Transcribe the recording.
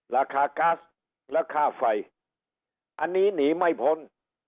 ราคากัสราคาไฟอันนี้หนีไม่พ้น